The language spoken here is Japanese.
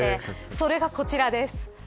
それが、こちらです。